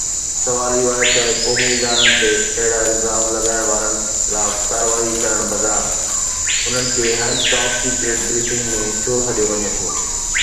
سوال اهو آهي ته قومي ادارن تي اهڙا الزام لڳائڻ وارن خلاف ڪارروائي ڪرڻ بدران انهن کي هر ٽاپ سيڪريٽ بريفنگ ۾ ڇو سڏيو وڃي ٿو؟